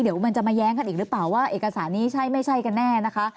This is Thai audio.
เดี๋ยวมันจะมาแย้งกันอีกหรือเปล่าว่าเอกสารนี้ใช่ไม่ใช่กันแน่นะคะ